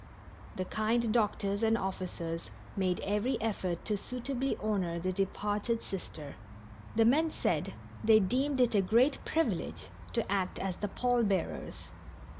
The kind doctors and officers made every effort to suitably honor the departed Sister. The men said they deemed it a great privilege to act as the pall bearers.